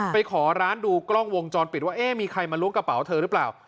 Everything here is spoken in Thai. ไปขอร้านดูกล้องวงจรปิดว่าเอ๊ะมีใครมาล้วงกระเป๋าเธอหรือเปล่า